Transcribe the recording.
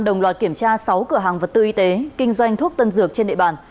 đồng loạt kiểm tra sáu cửa hàng vật tư y tế kinh doanh thuốc tân dược trên địa bàn